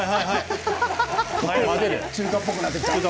中華っぽくなってきた。